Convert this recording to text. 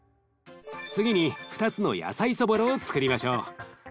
次に２つの野菜そぼろをつくりましょう。